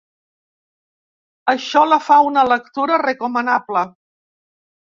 Això la fa una lectura recomanable.